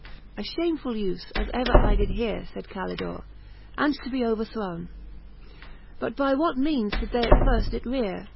XIV. A Ihamefiill ufc, a,; ever I did heare, Sayd CalidorCy and to be overthrowne. But by what meanes did they at firft it reare.